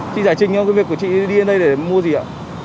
không biết là hôm nay mình kiểm tra như thế này